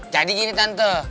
jadi gini tante